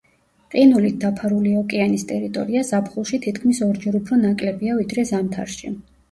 ყინულით დაფარული ოკეანის ტერიტორია ზაფხულში თითქმის ორჯერ უფრო ნაკლებია ვიდრე ზამთარში.